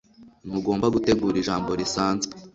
ntugomba gutegura ijambo risanzwe